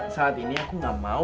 saat ini aku nggak mau